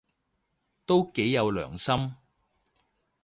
都幾有良心